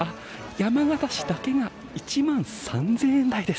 山形市だけが１万３０００円台です。